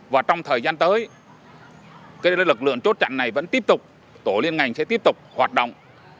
và trong thời gian tới lực lượng chốt chặn này vẫn tiếp tục tổ liên ngành sẽ tiếp tục hoạt động